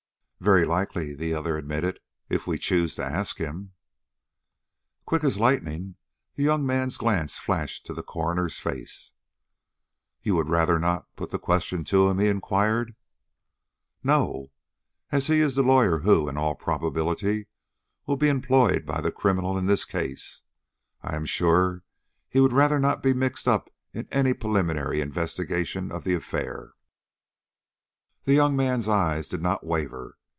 "Very likely," the other admitted, "if we choose to ask him." Quick as lightning the young man's glance flashed to the coroner's face. "You would rather not put the question to him?" he inquired. "No. As he is the lawyer who, in all probability, will be employed by the criminal in this case, I am sure he would rather not be mixed up in any preliminary investigation of the affair." The young man's eye did not waver.